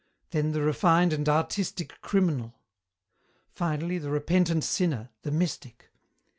"Then the refined and artistic criminal. "Finally the repentant sinner, the mystic.